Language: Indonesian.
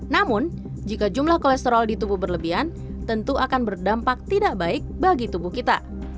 namun jika jumlah kolesterol di tubuh berlebihan tentu akan berdampak tidak baik bagi tubuh kita